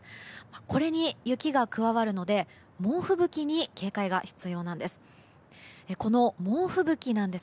これに雪が加わるので、猛吹雪に警戒が必要なんです。